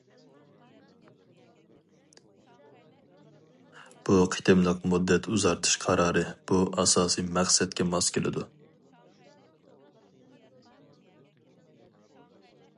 بۇ قېتىملىق مۇددەت ئۇزارتىش قارارى بۇ ئاساسىي مەقسەتكە ماس كېلىدۇ.